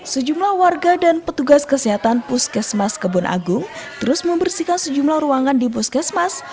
sejumlah warga dan petugas kesehatan puskesmas kebun agung terus membersihkan sejumlah ruangan di puskesmas